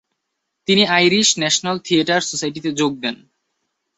তিনি Irish national theatre সোসাইটিতে যোগ দেন।